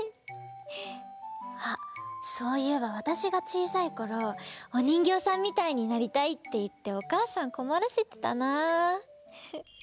あそういえばわたしがちいさいころおにんぎょうさんみたいになりたいっていっておかあさんこまらせてたなあ。